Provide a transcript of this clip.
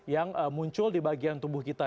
yang muncul di bagian tubuh kita